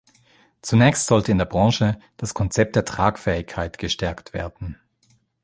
Zunächst sollte in der Branche das Konzept der Tragfähigkeit gestärkt werden.